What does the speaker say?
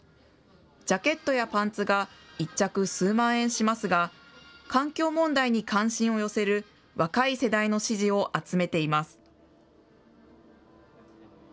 ジャケットやパンツが１着数万円しますが、環境問題に関心を寄せる若い世代の支持を集めています。